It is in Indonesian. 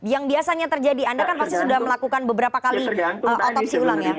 yang biasanya terjadi anda kan pasti sudah melakukan beberapa kali otopsi ulang ya